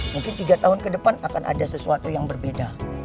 mungkin tiga tahun ke depan akan ada sesuatu yang berbeda